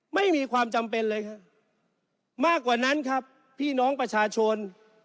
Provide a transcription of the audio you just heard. ไม่มีความจำเป็นเลยครับมากกว่านั้นครับพี่น้องประชาชน